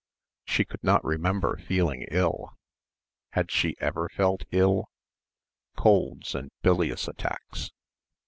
She could not remember feeling ill. Had she ever felt ill?... Colds and bilious attacks....